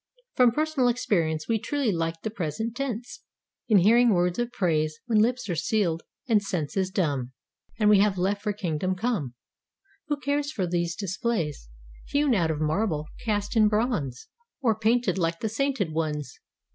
From personal experience. We truly like the present tense In hearing words of praise. When lips are sealed, and senses dumb. And we have left for Kingdom Come Who cares for these displays Hewn out of marble—cast in bronze Or painted like the sainted ones.